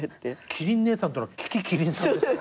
希林姉さんっていうのは樹木希林さんですか？